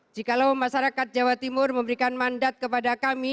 jikalau masyarakat jawa timur memberikan mandat kepada kami